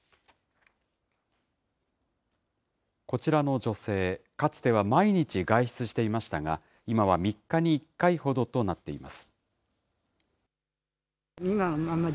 こちらの女性、かつては毎日外出していましたが、今は３日に１回ほどとなっています。